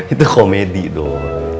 itu komedi dong